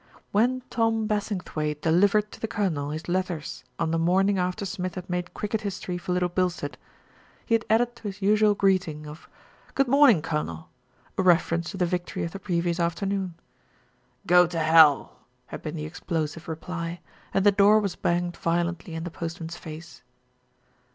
When Tom Bassingthwaighte delivered to the Colonel his letters on the morning after Smith had made cricket history for Little Bilstead, he had added 217 218 THE RETURN OF ALFRED to his usual greeting of "Good mornin', Colonel" a reference to the victory of the previous afternoon. "Go to hell !" had been the explosive reply, and the door was banged violently in the postman's face.